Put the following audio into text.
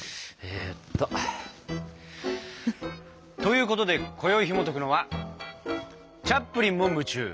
えっと。ということでこよいひもとくのは「チャップリンも夢中！